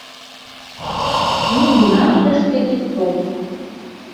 Нигунам тышке ит тол!..